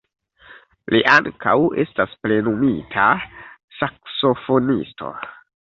Li ankaŭ estas plenumita saksofonisto.